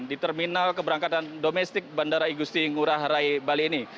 di terminal keberangkatan domestik bandara igusti ngurah rai bali ini